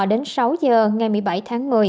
đến sáu giờ ngày một mươi bảy tháng một mươi